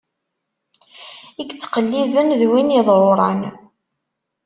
I yettqelliben, d win iḍṛuṛan.